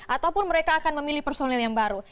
ataupun mereka akan memilih personil yang baru